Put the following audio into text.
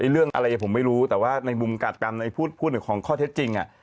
เรื่องอะไรผมไม่รู้แต่ว่าในมุมกัดกรรมในพูดของข้อเท็จจริง